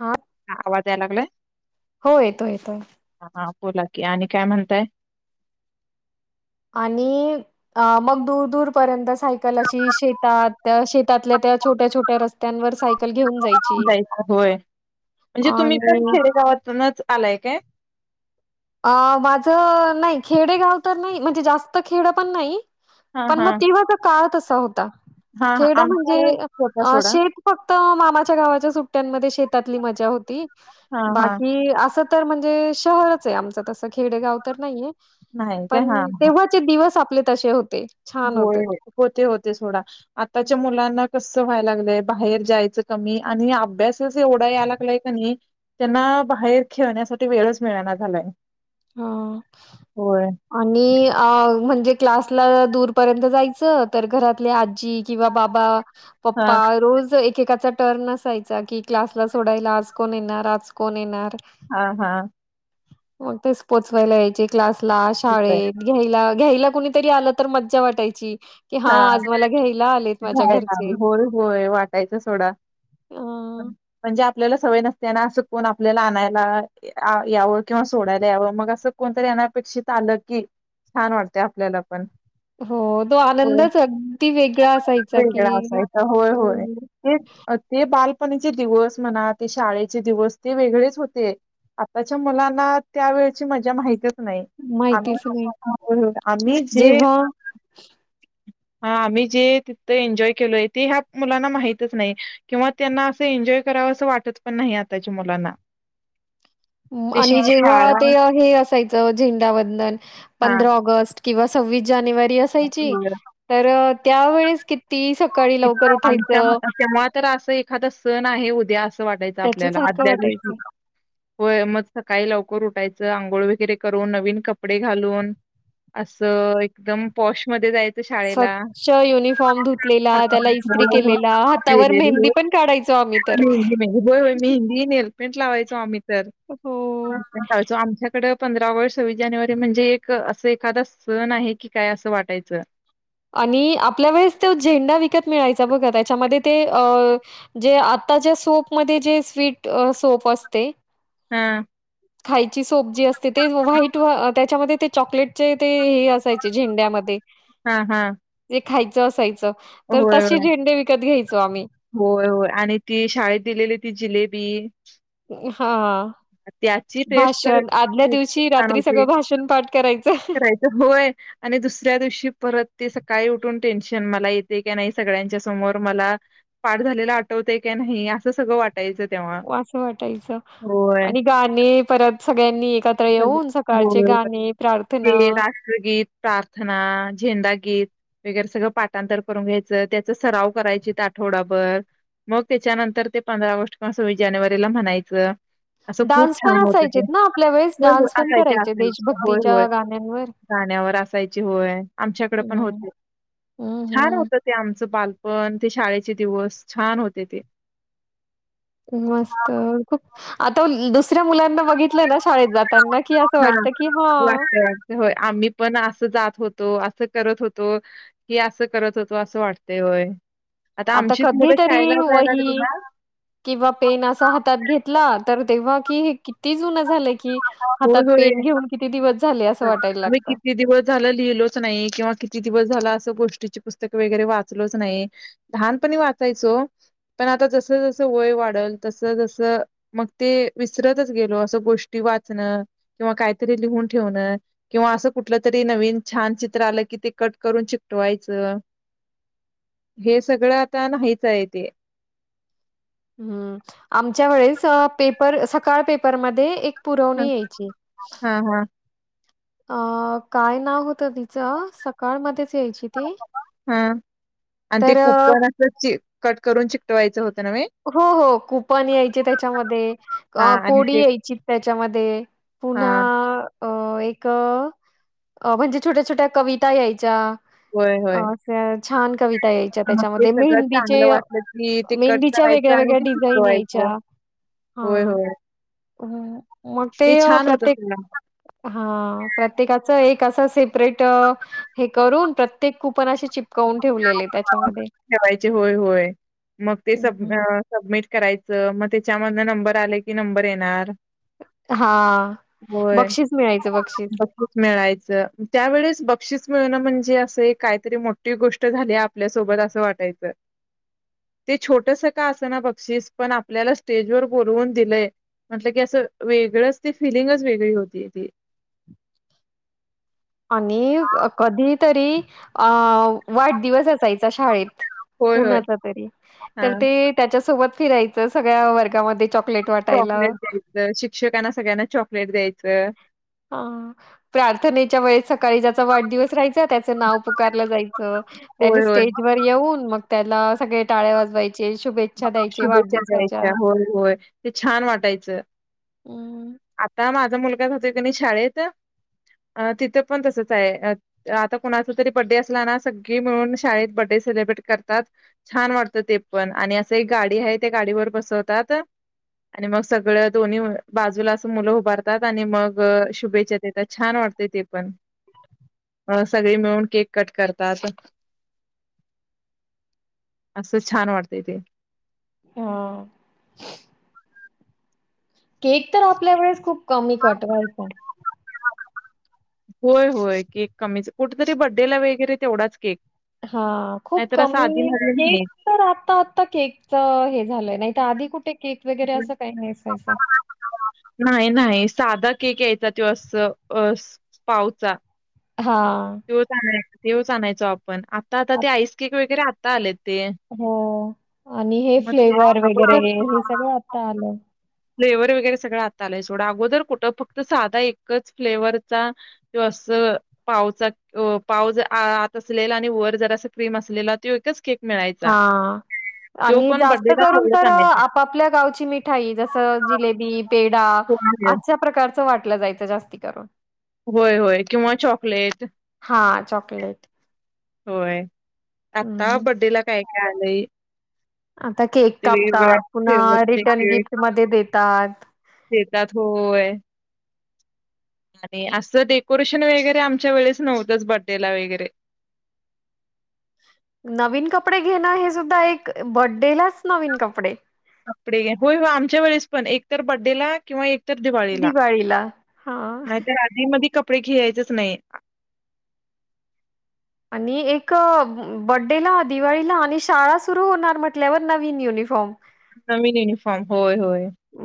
हा ह आवाज याय लागलाय हो येतो येतोय हा बोला की आणि, काय म्हणताय, आणि मग दूर दूर पर्यंत सायकलशी अशी शेतात त्या शेतातल्या त्या छोट्या छोट्या रत्यावर सायकल घेऊन जायची जायच होय म्हणजे तुम्ही पण आणि खेडेगावातुनच ना, आलाय का? अ माझं नाही खेडे गाव तर नाही, म्हणजे जास्त खेड पण नाही. हा पण हा मग तेव्हाचा काळ तसा होता, हा हा खेड आमच्या म्हणजे वेळेस होता सोडा शेत फक्त मामाच्या गावाच्या सुट्ट्यांमध्ये, शेत मजा होती हा बा हा अस म्हणजे. आमच तस खेडेगाव तर नाहीये, नाही काय हा पण हा तेव्हाचे दिवस आपले तसे होते. छान होय होते होते होते थोडा आताच्या मुलांना, कसं व्हाय लागलंय, बाहेर जायचं कमी आणि अभ्यासच एवढा याय लागलाय का नाही त्यांना. बाहेरेन यासाठी वेळच मिळा झालाय, ह होय आणि अ म्हणजे क्लासला, दूर पर्यंत जायच तर घरातले आजी किंवा बाबा हा पप्पा रोज एक, एकेकाचा टर्न असायचा की क्लासला सोडायला आज कोण येणार आज कोण येणार. हा हा मग ते पोहचयला ला यायचे क्लासला होय. शाळेत घ्यायला घ्यायला, कुणीतरी आलं तर मज्जा वाटायची, की हा हाय आज मला घ्यायला आलेत माझ्या घरचे होय होय वाटायचं थोडा, अ म्हणजे, आपल्याला सवय नसतेना, असं कोण आपल्याला आणायला याव किंवा सोडायला यावं मग असं कोणतरी. अनपेक्षित आलं‌ की स छान वाटतं आपल्याला पण, हो तो होय. आनंदच अगदी वेगळा असायचा वेगळा कि, असायचा पचे दिवस म्हणा ते शाळेचे दिवस ते वेगळेच होते. आताच्या मुलांना त्या वेळेची मजा माहिती, नाही आ् माहितीच नाही आम्ही जे, जेव्हा हा आम्ही जे तिथ एन्जॉय केलोय ते ह्या मुलांना माहितच नाही किंवा त्यांना अस, एन्जॉय कराव असं वाटत पण नाही, आताच्या मुलांना, ह [unintelligible] ते शि- आणि जेव्हा शाळा ते हे असायचं, झेंडावंदन हा पंधरा ऑगस्ट किंवा सव्वीस जानेवारी असायची, होय. तर त्यावेेळेस क आमच्या, तेव्हा तर असं एखाद सण आहे उद्या असं वाटायच आपल्याला, त्याच्यासारखं आदल्या दिवशी वाटायचं. मग सकाळी लवकर उट यच, आंघोळ वगैरे करून, नवीन कपडे घालून, असं, एकदम पॉशमध्ये जायचं शाळेला स्वच्छ युनिफॉर्म धुतलेला होय त्याला इस्त्री केलेला, हातावर मेहंदी पण काढायचो आम्ही तर, पेंट लावायचो आम्ही तर, हो आमच्याकडं पंधरा व सव्वीस जानेवारी म्हणजे एक, असं एखादा सण आहे की काय असं वाटायचं. आणि आपल्या वेळेस तो झेंडा विकत मिळायचा बघा त्याच्यामध्ये ते अ जे आताच्या सोपमध्ये जे, स्वीट अ सोप असते. हम! खायची सोप जी असते ते व्हाईट अं त्याच्यामध्ये ते चॉकलेटचे ते ते हे असायचे झेंड्यामध्ये. हा हा खायच असायच, तर होय तसे होय झेंडे विकत घ्याय होय होय आणि ते, शाळेत दिलेली ती जिलेबी. हां! त्याची टेस्ट तर भाषण, आदल्या खूपच दिवशी छान रात्री होती सगळं भाषण पाठ कराय करायचं, होय आणि दुसऱ्या दिवशी परत ते स काय उठून टेन्शन मला येतय का नाही? सगळ्यांच्या समोर मला पाठ झालेला आठवते का नाही? असं सगळं वाटं असं वाटायचं होय आणि गाणी परत सगळ्यांनी एक [unintelligible] ते राष्ट्रगीत, प्रार्थना, झेंडा गीत, वगैरे सगळं पाटांतर करून घ्यायचं, त्याच सराव करायचीत आठवडाभर. मग त्याच्यानंतर ते पंधरा ऑगस्ट किंवा सव्वीस जानेवारीला म्हणायचं. असं खूप डान्स पण छान होत असायचेत ते. ना आपल्या वेळेस होय, होय डान्स पण आखायचे करायचे आखायचे होय, होय देशभक्तीच्या गाण्यांवर गाण्या असायची होय, आमच्याकडे पण हम्म होते, हम्म छान हम्म होत ते आमच बालप पण ते शाळेचे दिवस छान होते ते, मस्त! खूप आता दुसऱ्या मुलांना बघितलं ना शाळेत जातना की असं हां. वाटत की हां? वाटतं, वाटतं. आम्ही पण असं जात होय असं करत होतो, की असं करत होतो, अस वाटतय वय. आता कधी तरी लागली वही ना किंवा पेन असा हातात घेतला तर तेव्हा कि किती जुन झालं कि, हातात होय, पेन होय. घेऊन किती दिव आम्ही किती दिवस झालं लिहिलोच नाही किंवा किती दिवस झाला असं गोष्ट ची पुस्तकं वगैरे वाचलोच नाही, लहानपणी वाचायचो. पण आता जस जस वय वाढल, तस तस मग ते विसरतच गेलो अस गोष्टी वाचन किंवा काहीतरी लिहून ठेवण, किंवा असं कुठलं तरी, नवीन छान चित्र आलं की ते कट करून चिकटवायचं. [unintelligible] हे सगळं आता नाहीच या ते, ह्म, आमच्या वेळेस पेपर, सकाळ पेपरमध्ये एक हा पुरवणी येयची. हा हा अं, काय नाव होतं तिचं, सकाळ मध्येच यायची ती, हां, आणि ते तर अ कूपन असं ची कट करून चिकवायचं होतं. नव्हे? हो, हो, कुपन यायचे त्याच्यामध्ये हा अ आणि कोडी ते यायची त्याच्यामध्ये. पुन्हा हां. अ एक म्हणजे छोट्या, छोट्या कविता यायच्या. होय, होय. असं छान कविता यायच्या मग ते त्याच्यामध्ये, सगळं मेहंदीचे चांगलं वाटलं की ते कट मेहंदी करायचं वेगळ्या, आणि वेगळ्या ते डिझाईन यायच्या, शिजवायचं. होय, हां. होय. मग ते अ छान होतं प्रत्येक, सगळं. हां प्रत्येकाच एक कसं सेपरेट हे करून प्रत्येक कुपन अशे चिप [inaudible] ठेवायचे, होय.. होय. मग तेच हं, सब हं. सबमिट करायचं मग त्याच्यामधनं नंबर आले की नंबर येणार. हा.. होय. बक्षीस मिळायचं बक्षीस मिळायचं. त्यावेळेस बक्षीस मिळणं म्हणजे असं ए काहीतरी मोट्टी गोष्ट त झाले आपल्यासोबत असं वाटायचं. ते छोटंसं का असं ना बक्षीस पण आपल्याला स्टेजवर बोलवून दिलंय म्हटलं की, असं वेगळंच, ती फिलिंगच वेगळी होती ती. आणि कधी तरी अ... वाढदिवस असायचा शाळेत. होय होय कुणाचा तरी, हा तर ते त्याच्या सोबत फिरायचं सगळ्या वर्गामध्ये चाॅक चॉकलेट द्यायचं, शिक्षकांना सगळ्यांना चॉकलेट द्यायचं. ह.. प्रार्थनेच्या वेळेस सकाळी ज्याचा वाढदिवस राह्यचा, त्याचं नाव पुकारलं जायचं. त्यानी होय होय स्टेज वर येऊन मग त्याला सगळे टाळ्या वाजवाय शुभेच्छा द्यायच्या. होय होय. ते छान वाटायचं. हं. आता माझा मुलगा जातोय क नाही शाळेत. अ.. तिथं पण तसंच आहे, आता कुणाचा तरी बड्डे असला ना, सगळी मिळून शाळेत बड्डे सेलिब्रेट करतात. छान वाटतं ते पण आणि जे गाडी हाये, त्या गाडीवर बसवतात. आणि मग सगळं दोन्ही बाजूला असं मुलं हुभारतात, आणि मग शुभेच्छा देतात. छान वा रते ते पण अ सगळी मिळून केक कट करतात. असं छान वाटतंय ते. हा. केक तर आपल्या वेळेस खूप कमी कट व्हायचा. होय होय. केक कमीच, कुठ तरी बड्डेला वगरे तेवढाच केक हा.. खूप नाहीतर असं आधी कमी, मधी नाही केक तर आता आता केक च हे झालंय. नाही आधी कुठे? केक वगैरे [inaudible] असं काही नाही असायचं. न्हाई न्हाई. साधं केक यायचा तो अस असं पावचा हां, त्योच आणाय, त्याच आणायचो आपण. आता आता आत ते आईसकेक वगैरे आत्ता आलेत. ते हो.. आणि हे मग ते फ्लेवर वेगरे हे सगळं आता अगोदर आलं. फ्लेवर वेगरे सगळं आत्ता आलंय सोडा. अगोदर कुठं फक्त साधा एकच फ्लेवरचा जो अस पाव पाव आत असलेला आणि वर जरासं क्रीम असलेला त्यो एकच केक मिळायचा. हा.... तो आणि पण जास्त बड्डेला करून तेवढंच तर आणायचा. आपापल्या गावची मिठाई जसं जिलेबी, पेढा होय अशा प्रकारचं वाटलं जायचं जास्ती करून. होय होय. किंवा चॉकलेट हा चॉकलेट होय. आता हं. बड्डेला काय काय आलंय. आता केक ते कापतात. वेगवेगळ्या पुन्हा फ्लेवरचे रिटर्न केक गिफ्ट मध्ये देतात. देतात, होय... [unintelligible] आणि आसलं डेकोरेशन वैगरे आमच्या वेळेस नव्हतंच बड्डेला वैगरे. [unintelligible] नवीन कपडे घेणं हे सुद्धा एक, बड्डेलाच नवीन कपडे कपडे, होय हो. आमच्या वेळेस पण. एक तर बड्डेला किंवा एक दिवाळीला, नाहीतर आधी मदी कप कपडे घेयाचेच नाही. आणि एक बड्डेला, दिवाळीला आणि शाळा सुरू होणार म्हटल्यावर नवीन युनिफॉर्म नमीन युनिफॉर्म होय होय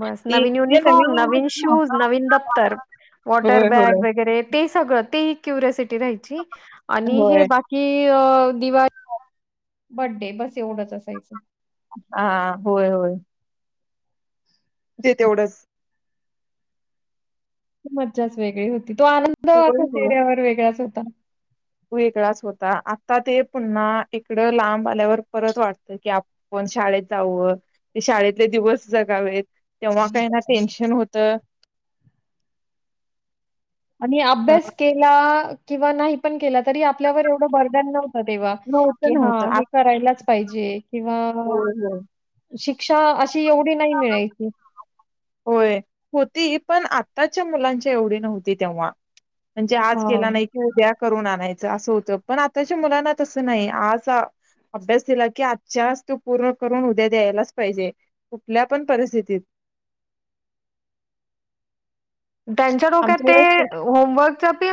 बस ते नवीन ते युनिफॉर्म नवीन युनिफॉर्म शूज नवीन दफ्तर वॉटर होय, बॅग होय, वगैरे ते सगळं ते क्युरसिटी राहायची आणि हे होय. बाकी दिवाळी बडडे बस एवढंच असायचं हा होय होय ते तेवढंच मज्जाच वेगळी होती तो आनंद असा चेहऱ्यावर वेगळाच होता त वेगळाच होता आता ते पुन्हा इकडं लांब आल्यावर परत वाटत की आप शाळेत जाव ते शाळेतले दिवस जगावेत तेव्हा काही ना टेन्शन होत [inaudible] आणि अ अभ्यास केला किंवा नाही पण केला तरी आपल्यावर एवढं वरदान नव्हत नव्हतं, नव्हतं ह आत करायलाच पाहिजे किं होय, होय. अशी एवढी नाही मिची होय. होती पण आताच्या मुलांच्या एवढी नव्हती तेव्हा म्हणजे आज केला हां. नाही की उद्या करून आणायचं असं होतं पण आताच्या मुलांना तसं नाही आज अभ्यास केला की आजच्या तो पूर्ण करून उद्या द्यायलाच पाहिजे कुठल्या पण परिस्थितीत त्यांच्या डोक्यात आमच्या ते वेळेस होमवर्क पि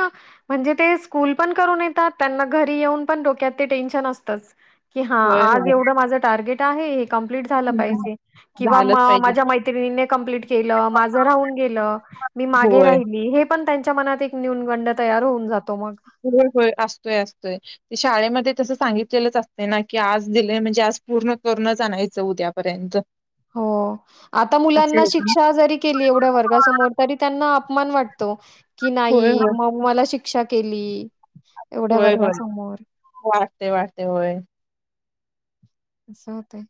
म्हणजे ते स्कूल पण करून येतात त्यांना घरी येऊन पण डोक्यात ते टेन्शन असतच की हा होय आज होय एवढं माझं टार्गेट आहे ् झा हं. पाजे किंवा झालंच पाहिजे. माझ्या मैि कप् के माझ राून गे मी मागे होय राहिली हे पण त्यांच्या मनात एक न्यन गंड तयार होऊन जातो मग. होय असतोय असतोय ते शाळेमध्ये तसं सांगितलेलंच असते ना की आज दिले म्हणजे आज पूर्ण करणच आणायचं उद्यापर्यंत हो आता असं मुलांना होतं ना. शिक्षा जरी केली एवढ्या वर्गासमोर तरी त्यांना अपमान वाटतो की होय, नाही होय. म मला शिक्षा केली एवढ्या होय होय वर्गासमोर वाटते वाटते होय अससं होत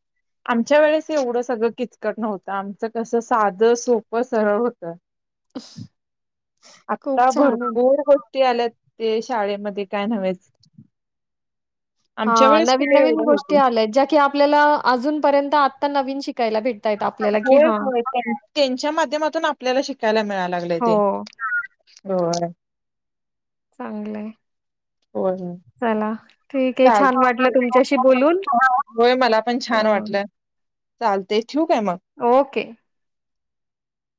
आमच्या वेळेस एवढं सगळं किचकट नव्हतं आमचं कसं साधं सोपं सरळ होत [inaudible] खूप आता छान होतं. भरपूर गोष्टी आल्यात ते शाळेमध्ये काय नव्हेच हा आमच्या वेळेस नवीन कुठे नवीन एवढं गोष्टी होतं. आल्यात ज्या की आपल्याला अजूनपर्यंत आत्ता नवीन शिकायला भेटत होय होय त्यांच्या माध्यमातून आपल्याला शिकायला मिळा लागलेय हो, ते हो चांगलंय काला चाल होय मला पण अ, छान वाटलं चालतेच ओके